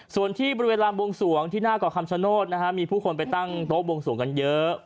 ส่วนที่บริเวณลานบวงสวงที่หน้าก่อคำชโนธนะฮะมีผู้คนไปตั้งโต๊ะบวงสวงกันเยอะ